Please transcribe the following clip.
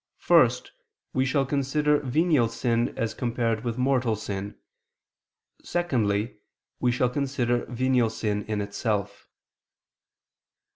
First, we shall consider venial sin as compared with mortal sin; secondly, we shall consider venial sin in itself.